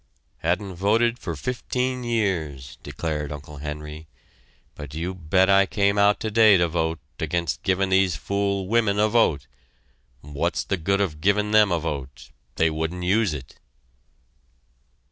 "Hadn't voted for fifteen years," declared Uncle Henry, "but you bet I came out today to vote against givin' these fool women a vote; what's the good of givin' them a vote? they wouldn't use it!"